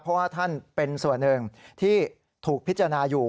เพราะว่าท่านเป็นส่วนหนึ่งที่ถูกพิจารณาอยู่